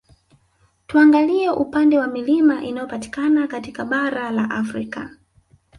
Tuangalie upande wa Milima inayopatikana katika bara la Afrika